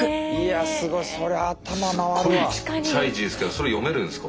すごいちっちゃい字ですけどそれ読めるんですか？